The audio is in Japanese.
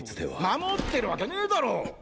守ってるわけねぇだろ！っ！